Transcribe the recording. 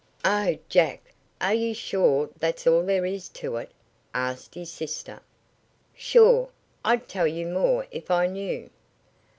"Oh, Jack, are you sure that's all there is to it?" asked his sister. "Sure. I'd tell you more if I knew."